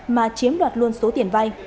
mà chiếm đoạt luôn số tiền vay